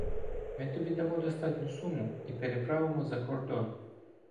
Ми тобі дамо достатню суму і переправимо за кордон.